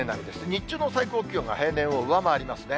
日中の最高気温が平年を上回りますね。